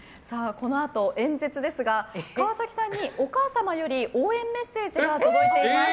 このあと、演説ですが川崎さんにお母様より応援メッセージが届いています。